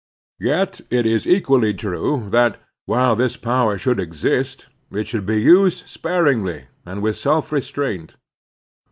Yet it is equally true that, while this power should exist, it should be used sparingly and with self restraint.